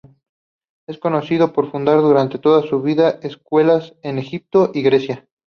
Es conocido por fundar durante toda su vida escuelas en Egipto y Grecia.